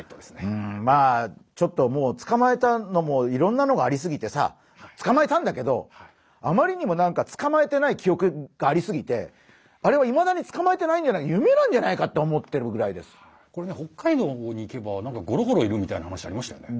うんまあちょっとつかまえたのもいろんなのがありすぎてさつかまえたんだけどあまりにもつかまえてない記憶がありすぎてあれはいまだにつかまえてないんじゃないかこれが北海道の方に行けばゴロゴロいるみたいな話ありましたよね。